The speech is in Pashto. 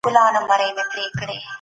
دا ژړاوای